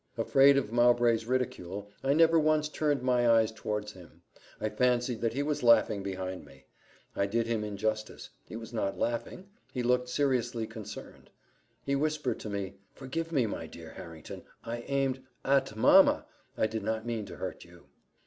Afraid of Mowbray's ridicule, I never once turned my eyes towards him I fancied that he was laughing behind me: I did him injustice; he was not laughing he looked seriously concerned. He whispered to me, "Forgive me, my dear Harrington I aimed at mamma I did not mean to hurt you."